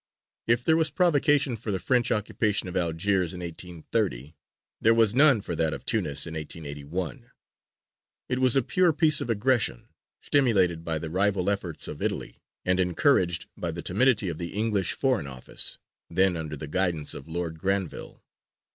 If there was provocation for the French occupation of Algiers in 1830, there was none for that of Tunis in 1881. It was a pure piece of aggression, stimulated by the rival efforts of Italy, and encouraged by the timidity of the English Foreign Office, then under the guidance of Lord Granville.